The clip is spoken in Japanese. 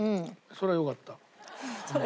「そりゃよかった」。